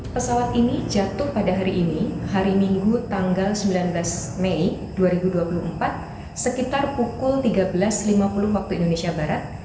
pesawat ini jatuh pada hari ini hari minggu tanggal sembilan belas mei dua ribu dua puluh empat sekitar pukul tiga belas lima puluh waktu indonesia barat